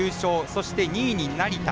そして、２位に成田。